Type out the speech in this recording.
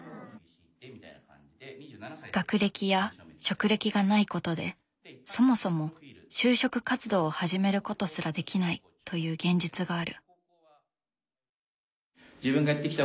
学歴や職歴がないことでそもそも就職活動を始めることすらできないという現実がある。